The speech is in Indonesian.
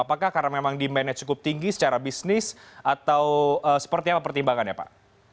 apakah karena memang demandnya cukup tinggi secara bisnis atau seperti apa pertimbangannya pak